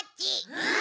うん。